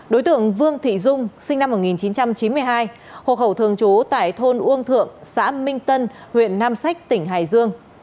đối tượng vương thị dung sinh năm một nghìn chín trăm chín mươi hai hộ khẩu thường trú tại thôn uông thượng xã minh tân huyện nam sách tỉnh hải dương